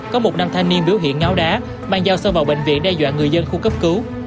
có một năm thanh niên biểu hiện ngáo đá bàn giao sơ vào bệnh viện đe dọa người dân khu cấp cứu